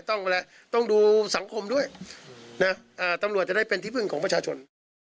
ต้องมาแล้วต้องดูสังคมด้วยนะตำรวจจะได้เป็นที่พึ่งของประชาชน